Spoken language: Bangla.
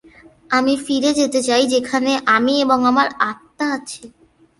আমি ফিরে যেতে চাই যেখানে আমি এবং আমার আত্মা আছে.